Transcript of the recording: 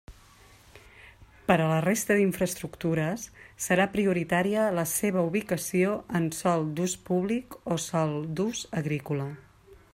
Per a la resta d'infraestructures, serà prioritària la seua ubicació en sòl d'ús públic o sòl d'ús agrícola.